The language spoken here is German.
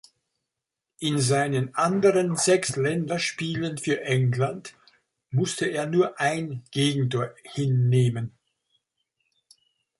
In seinen anderen sechs Länderspielen für England musste er nur ein Gegentor hinnehmen.